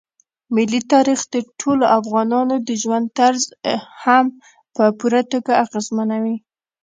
ملي تاریخ د ټولو افغانانو د ژوند طرز هم په پوره توګه اغېزمنوي.